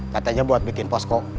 katanya buat bikin posko